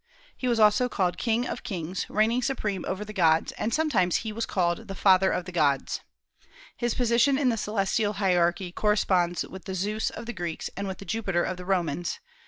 He was also called "King of kings," reigning supreme over the gods; and sometimes he was called the "Father of the gods." His position in the celestial hierarchy corresponds with the Zeus of the Greeks, and with the Jupiter of the Romans.